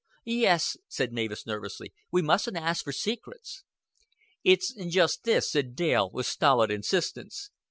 "Yes," said Mavis, nervously, "we mustn't ask for secrets." "It's just this," said Dale, with stolid insistence.